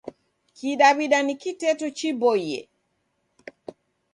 Kidaw'ida ni kiteto chiboie.